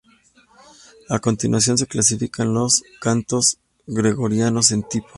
A continuación se clasifican los cantos gregorianos en tipos.